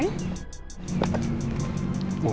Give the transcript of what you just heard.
enggak cuma pengen